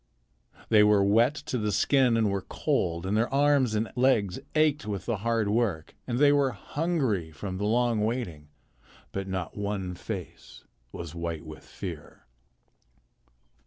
They were wet to the skin and were cold, and their arms and legs ached with the hard work, and they were hungry from the long waiting, but not one face was white with fear.